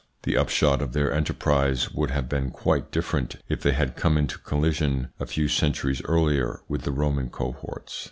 The upshot of their enterprise would have been quite different if they had come into collision a few centuries earlier with the Roman cohorts.